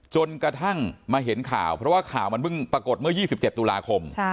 จนกระทั่งมาเห็นข่าวเพราะว่าข่าวมันเพิ่งปรากฏเมื่อ๒๗ตุลาคม